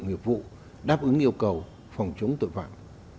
nghiệp vụ đáp ứng yêu cầu phòng chống tội phạm